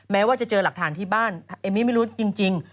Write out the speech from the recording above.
แม้ว่าจะเจอหลักฐานที่บ้านเอมมี่ไม่รู้จริง